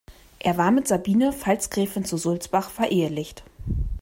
Er war mit Sabine Pfalzgräfin zu Sulzbach verehelicht.